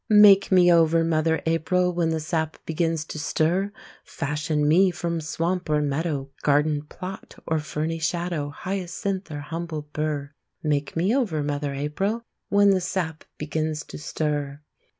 Make me over, mother April, When the sap begins to stir! Fashion me from swamp or meadow, Garden plot or ferny shadow, Hyacinth or humble burr! Make me over, mother April, When the sap begins to stir!